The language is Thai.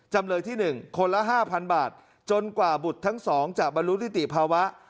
จำเลยที่หนึ่งคนละห้าพันบาทจนกว่าบุตรทั้งสองจะบรรลุนิติภาวะ